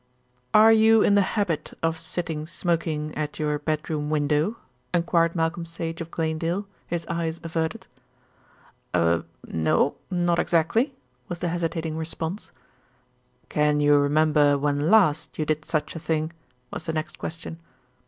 "Are you in the habit of sitting smoking at your bedroom window?" enquired Malcolm Sage of Glanedale, his eyes averted. "Er no, not exactly," was the hesitating response. "Can you remember when last you did such a thing?" was the next question.